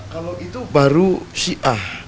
kalau itu baru syiah